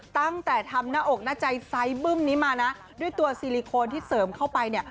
ตั้งแต่ทำหน้าอกหน้าใจไซส์บึ้มนี้มานะด้วยตัวซีลิโคนที่เสริมเข้าไปเนี่ย